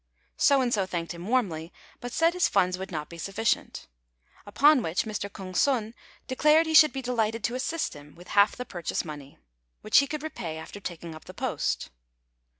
So and so thanked him warmly, but said his funds would not be sufficient; upon which Mr. Kung sun declared he should be delighted to assist him with half the purchase money, which he could repay after taking up the post.